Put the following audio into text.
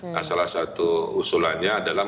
nah salah satu usulannya adalah